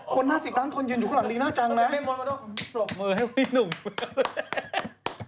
คน๕๐ล้านคนยืนอยู่ข้างหลังลีน่าจังนะ